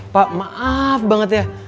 pak maaf banget ya